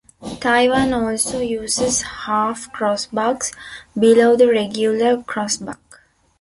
Taiwan also uses half-crossbucks below the regular crossbuck.